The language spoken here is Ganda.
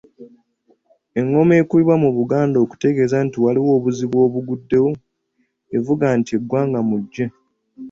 Engoma ekubibwa mu Buganda okutegeeza nti waliwo obuzibu obuguddewo evuga nti Ggwangamujje.